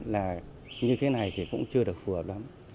là như thế này thì cũng chưa được phù hợp lắm